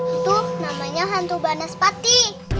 itu namanya hantu banaspati